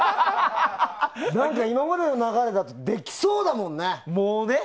何か、今までの流れだとできそうだもんね。